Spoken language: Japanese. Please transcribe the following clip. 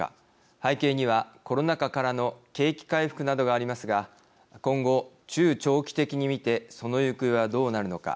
背景には、コロナ禍からの景気回復などがありますが今後、中長期的に見てその行方はどうなるのか。